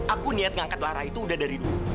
aku niat ngangkat lara itu udah dari dulu